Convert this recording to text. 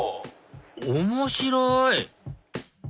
面白い！